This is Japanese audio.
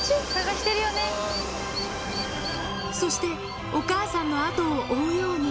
そしてお母さんの後を追うように。